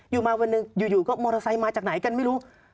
อยู่มาวันหนึ่งอยู่ก็มอเตอร์ไซค์มาจากไหนกันไม่รู้